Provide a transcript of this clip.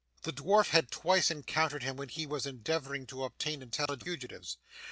The dwarf had twice encountered him when he was endeavouring to obtain intelligence of the fugitives.